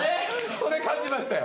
それ感じましたよ。